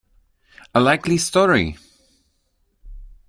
A likely story!